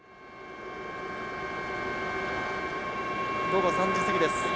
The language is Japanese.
午後３時過ぎです。